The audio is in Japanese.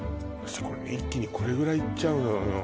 一気にこれぐらいいっちゃうのよ